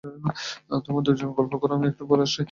তোমরা দুজন গল্প করো আমি একটু পর আসছি, ওকে?